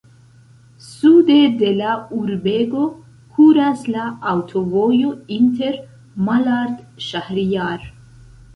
Sude de la urbego kuras la aŭtovojo inter Malard-Ŝahrijar.